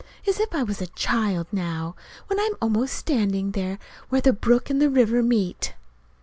As if I was a child now, when I'm almost standing there where the brook and river meet!